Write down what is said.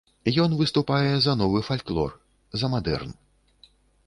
Ён выступае за новы фальклор, за мадэрн.